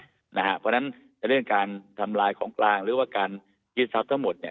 เพราะฉะนั้นในเรื่องการทำลายของกลางหรือว่าการยึดทรัพย์ทั้งหมด